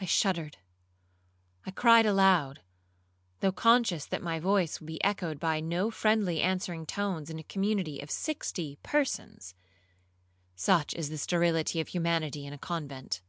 I shuddered,—I cried aloud, though conscious that my voice would be echoed by no friendly answering tones in a community of sixty persons,—such is the sterility of humanity in a convent.